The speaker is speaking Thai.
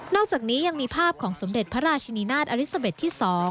อกจากนี้ยังมีภาพของสมเด็จพระราชนีนาฏอลิซาเบ็ดที่๒